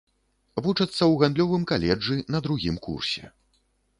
Вучацца ў гандлёвым каледжы на другім курсе.